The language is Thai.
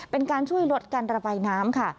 เป็นการช่วยลดการระบายน้ำค่ะ